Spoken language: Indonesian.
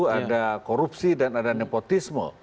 ada korupsi dan ada nepotisme